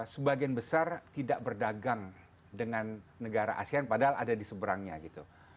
sebagian besar tidak berdagang dengan negara asean padahal ada di seberangnya gitu